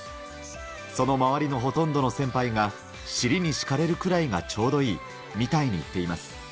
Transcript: その周りのほとんどの先輩が、尻に敷かれるくらいがちょうどいい、みたいに言っています。